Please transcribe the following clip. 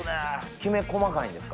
きめ細かいんですか？